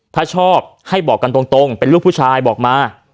ถ้าชอบให้บอกกันตรงเป็นลูกผู้ชายบอกมา